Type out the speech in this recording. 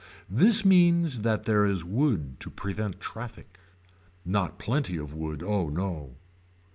This means that there is wood to prevent traffic. Not plenty of wood oh no.